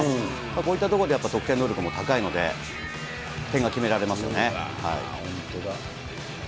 こういったところでやっぱり得点能力も高いので、点が決められますよね。